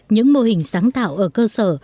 những mô hình sáng tạo ở cơ sở